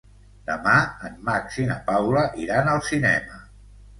Demà en Max i na Paula iran al cinema.